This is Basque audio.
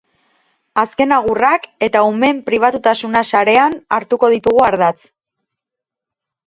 Azken agurrak eta umeen pribatutasuna sarean hartuko ditugu ardatz.